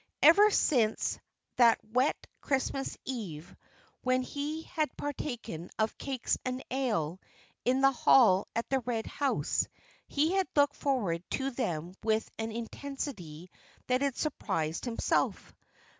Ever since that wet Christmas Eve when he had partaken of "cakes and ale" in the hall at the Red House, he had looked forward to them with an intensity that had surprised himself.